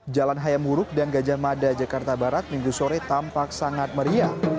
jalan hayamuruk dan gajah mada jakarta barat minggu sore tampak sangat meriah